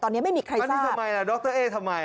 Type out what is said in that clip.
ตอนนี้ไม่มีใครอยู่ตอนนี้ทำไมล่ะดรเอ๊ทำไม